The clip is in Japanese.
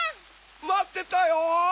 まってたよ！